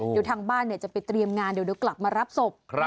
เดี๋ยวทางบ้านจะไปเตรียมงานเดี๋ยวกลับมารับศพ